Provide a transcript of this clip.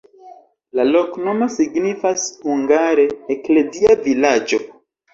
La loknomo signifas hungare: eklezia-vilaĝo.